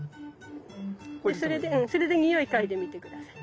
それでにおい嗅いでみて下さい。